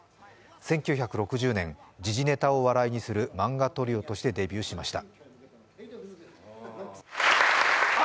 １９６０年、時事ネタを笑いにする漫画トリオとしてデビューしました。